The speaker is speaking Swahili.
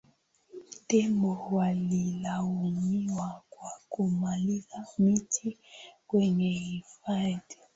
tembo walilaumiwa kwa kumaliza miti kwenye hifadhi